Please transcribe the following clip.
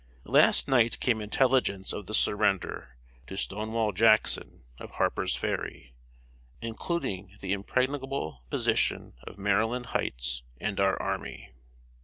] Last night came intelligence of the surrender, to Stonewall Jackson, of Harper's Ferry, including the impregnable position of Maryland Hights and our army.